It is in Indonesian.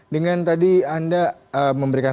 dengan tadi anda memberikan